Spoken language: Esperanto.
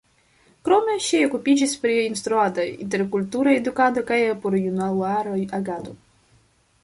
Krome ŝi okupiĝis pri instruado, interkultura edukado kaj porjunulara agado.